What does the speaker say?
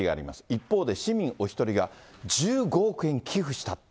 一方で、市民お１人が１５億円寄付した。